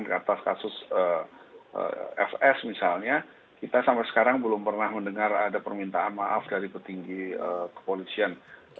atas kasus fs misalnya kita sampai sekarang belum pernah mendengar ada permintaan maaf dari petinggi kepolisian